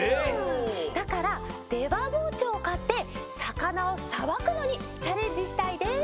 だからでばぼうちょうをかってさかなをさばくのにチャレンジしたいです！